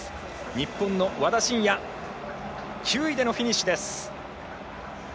日本の和田伸也、９位でのフィニッシュです！